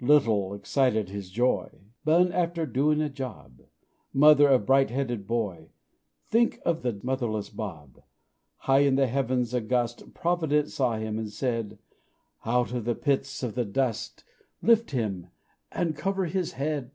Little excited his joy Bun after doing a job; Mother of bright headed boy, Think of the motherless Bob! High in the heavens august Providence saw him, and said "_Out of the pits of the dust Lift him, and cover his head.